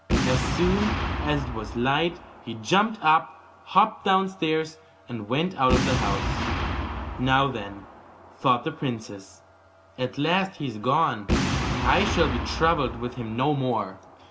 As soon as it was light he jumped up, hopped downstairs, and went out of the house. 'Now, then,' thought the princess, 'at last he is gone, and I shall be troubled with him no more.